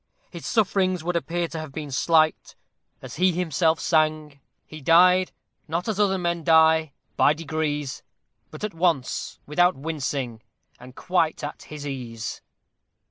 His sufferings would appear to have been slight: as he himself sang, He died, not as other men, by degrees, But at once, without wincing, and quite at his ease!